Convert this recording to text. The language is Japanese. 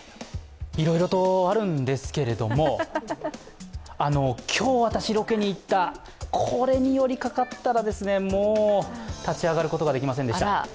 いろいろとあるんですけれども、今日私、ロケに行った、これに寄りかかったらもう、立ち上がることができませんでした。